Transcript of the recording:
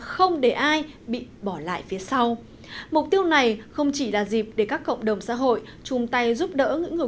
không để ai bị bỏ lại phía sau mục tiêu này không chỉ là dịp để các cộng đồng xã hội chung tay giúp đỡ những người